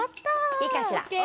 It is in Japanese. いいかしら？